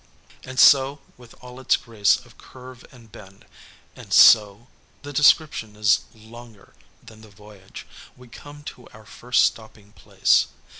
And so, with all its grace of curve and bend, and so the description is longer than the voyage we come to our first stopping place.